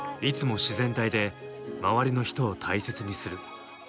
いつも自然体で周りの人を大切にする。